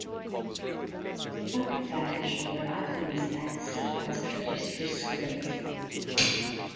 The public backlash over Optimus' death surprised producers greatly.